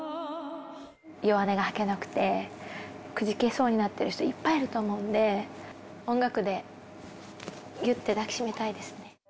弱音が吐けなくて、くじけそうになっている人いっぱいいると思うんで、音楽でぎゅって抱き締めたいですね。